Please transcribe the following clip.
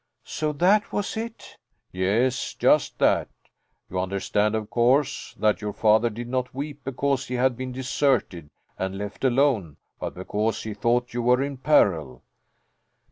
"So that was it!" "Yes, just that. You understand of course that your father did not weep because he had been deserted and left alone, but because he thought you were in peril."